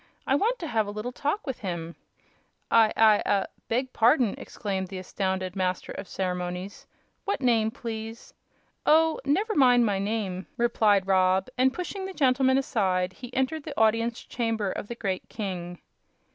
"I want to have a little talk with him." "I I ah beg pardon!" exclaimed the astounded master of ceremonies. "What name, please?" "Oh, never mind my name," replied Rob, and pushing the gentleman aside he entered the audience chamber of the great king.